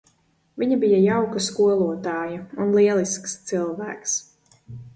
Viņa bija jauka skolotāja un lielisks cilvēks.